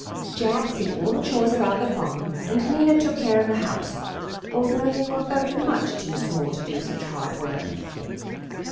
Jack did all the chores about the farm and Nina took care of the house, although they were both much too small to do such hard work.